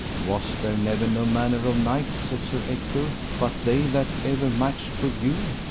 Was there never no manner of knight, said Sir Ector, but they that ever matched with you?